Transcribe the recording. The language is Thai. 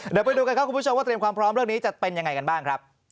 เดี๋ยวไปดูกันครับคุณผู้ชมว่าเตรียมความพร้อมเรื่องนี้จะเป็นยังไงกันบ้างครับ